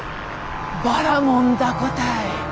ばらもん凧たい。